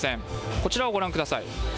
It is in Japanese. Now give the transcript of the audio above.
こちらをご覧ください。